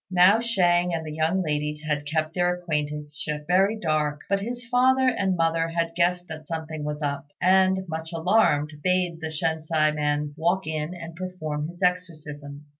Now Shang and the young ladies had kept their acquaintanceship very dark; but his father and mother had guessed that something was up, and, much alarmed, bade the Shensi man walk in and perform his exorcisms.